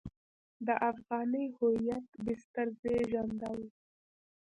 د افغاني هویت بستر زېږنده وو.